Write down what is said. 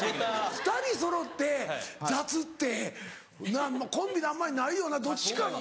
２人そろって雑って。なぁコンビであんまりないよなどっちかが。